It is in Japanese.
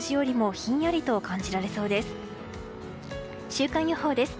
週間予報です。